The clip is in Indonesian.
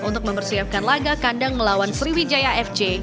untuk mempersiapkan laga kandang melawan sriwijaya fc